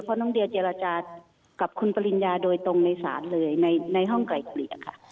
เพราะน้องเดียเจรจากับคุณปริญญาโดยตรงในศาลเลยในห้องไกล่เกลี่ยค่ะ